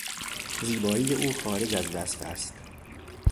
زیبایی او خارج از وصف است.